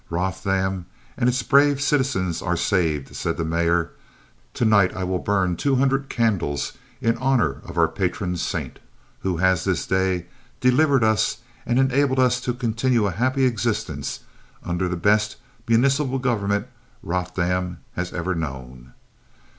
"Rothdam and its brave citizens are saved," said the Mayor. "To night I will burn two hundred candles in honor of our patron saint, who has this day delivered us and enabled us to continue a happy existence under the best municipal government Rothdam has ever known."